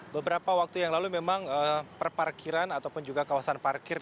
beberapa waktu yang lalu memang perparkiran ataupun juga kawasan parkir